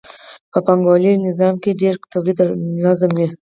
په پانګوالي نظام کې کار او تولید ټولنیز وي